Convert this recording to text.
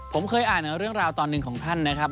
ผมเคยอ่านเรื่องราวตอนหนึ่งของท่านนะครับ